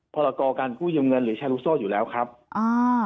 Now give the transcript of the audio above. พลการณ์ผู้เย็มเงินหรือแชร์ลุขโซอยู่แล้วครับอ่า